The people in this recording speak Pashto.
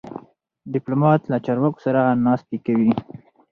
ډيپلومات له چارواکو سره ناستې کوي.